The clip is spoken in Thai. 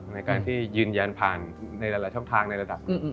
ในการที่ยืนยันผ่านในหลายช่องทางในระดับหนึ่ง